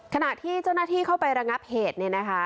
ขณะที่เจ้าหน้าที่เข้าไประงับเหตุเนี่ยนะคะ